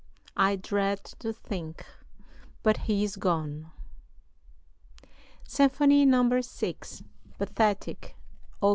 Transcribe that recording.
I dread to think; but he is gone." SYMPHONY No. 6, "PATHETIC": Op.